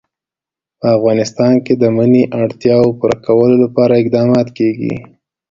په افغانستان کې د منی د اړتیاوو پوره کولو لپاره اقدامات کېږي.